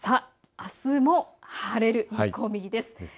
あすも晴れる見込みです。